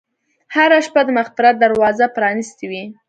هره شپه د مغفرت دروازه پرانستې وي.